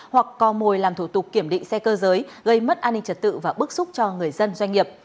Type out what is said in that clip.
hoặc co mồi làm thủ tục kiểm định xe cơ giới gây mất an ninh trật tự và bức xúc cho người dân doanh nghiệp